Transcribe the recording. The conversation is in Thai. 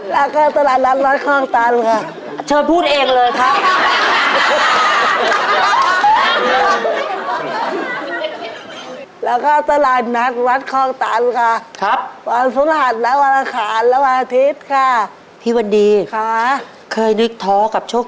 แล้วก็ตลาดนัดวัดคลองตันค่ะ